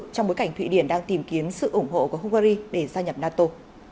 trong bối cảnh thụy điển đang tìm kiếm sự ủng hộ của hungary để gia nhập nato